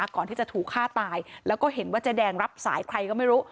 ก่อนที่จะถูกฆ่าตายแล้วก็เห็นว่าเจ๊แดงรับสายใครก็ไม่รู้